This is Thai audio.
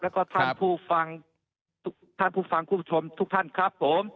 และท่านผู้ฟังคุณผู้ชมทุกท่านครับผม